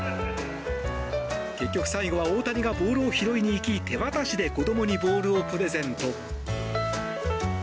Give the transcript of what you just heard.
結局、最後は大谷がボールを拾いに行き手渡しで子どもにボールをプレゼント。